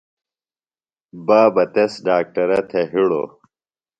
بابہ تس ڈاکٹرہ تھےۡ ہِڑوۡ۔